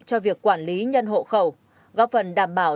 cho việc quản lý nhân hộ khẩu góp phần đảm bảo